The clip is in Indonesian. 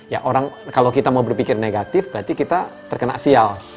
ya orang kalau kita mau berpikir negatif berarti kita terkena sial